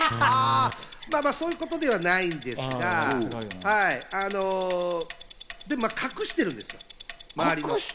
そういうことではないんですが、まあ隠してるんですよ。